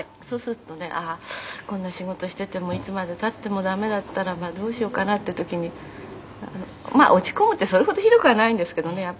「そうするとねこんな仕事しててもいつまで経ってもダメだったらどうしようかなっていう時に落ち込むってそれほどひどくはないんですけどね